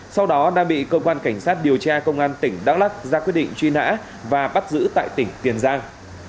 sau đó đã bị cơ quan cảnh sát điều tra công an tỉnh đắk lắc ra quyết định truy nã và bắt giữ tại tỉnh tiền giang